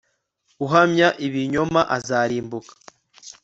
uhamya ibinyoma azarimbuka